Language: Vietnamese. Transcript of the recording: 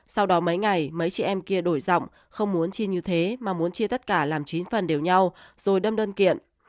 sau đó mấy ngày mấy chị em kia đổi giọng không muốn chi như thế mà muốn chia tất cả làm chín phần đều nhau rồi đâm đơn kiện